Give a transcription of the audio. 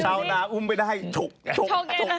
ชาวน่าอุ้มไปได้ชกเชิก